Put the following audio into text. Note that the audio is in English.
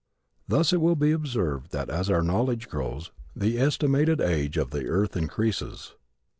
Thus it will be observed that as our knowledge grows the estimated age of the earth increases.